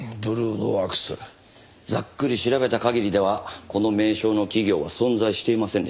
ざっくり調べた限りではこの名称の企業は存在していませんでした。